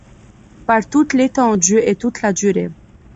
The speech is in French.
Par toute l’étendue et toute la durée